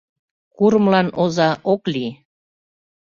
КУРЫМЛАН ОЗА ОК ЛИЙ